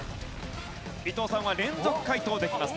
いとうさんは連続解答できます。